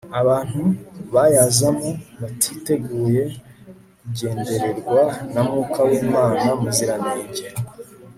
abantu bayazamo batiteguye kugendererwa na mwuka w'imana muziranenge